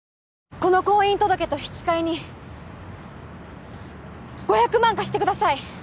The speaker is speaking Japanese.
この婚姻届と引き換えに５００万貸してください